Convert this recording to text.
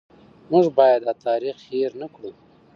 موږ باید دا تاریخ هېر نه کړو.